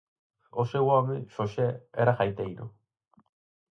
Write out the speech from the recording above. O seu home, José, era gaiteiro.